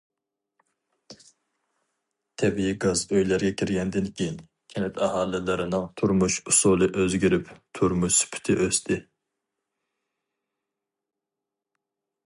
تەبىئىي گاز ئۆيلەرگە كىرگەندىن كېيىن، كەنت ئاھالىلىرىنىڭ تۇرمۇش ئۇسۇلى ئۆزگىرىپ، تۇرمۇش سۈپىتى ئۆستى.